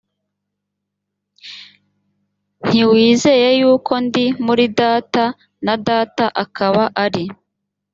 ntiwizeye yuko ndi muri data na data akaba ari